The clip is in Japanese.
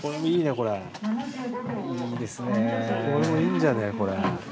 これもいいんじゃねえこれ。